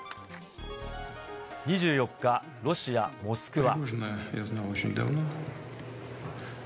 ２４日、ロシア・モスクワ。